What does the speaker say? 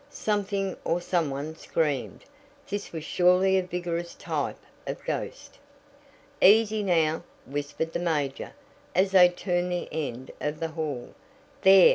Something or some one screamed. This was surely a vigorous type of ghost. "Easy, now!" whispered the major as they turned the end of the hall "There!"